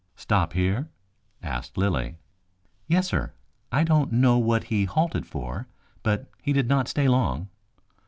"Stop here?" asked Lilly. "Yes, sir. I don't know what he halted for, but he did not stay long."